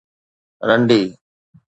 رنڊي